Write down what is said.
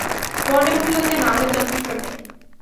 মনে হইল যেন আলো যথেষ্ট নাই।